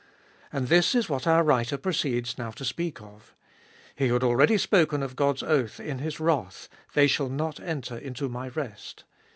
And this is what our writer proceeds now to speak of. He had already spoken of God's oath in His wrath, They shall not enter into My rest.